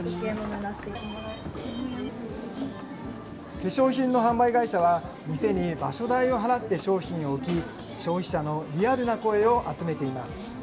化粧品の販売会社は店に場所代を払って商品を置き、消費者のリアルな声を集めています。